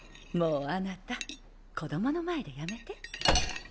もうあなた子どもの前でやめて。